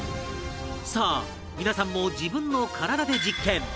さあ皆さんも自分の体で実験